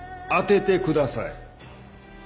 当ててください。